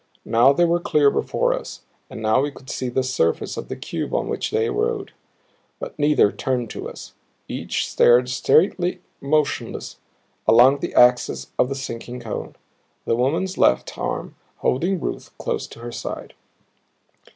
Now they were clear before us, and now we could see the surface of the cube on which they rode. But neither turned to us; each stared straightly, motionless along the axis of the sinking cone, the woman's left arm holding Ruth close to her side.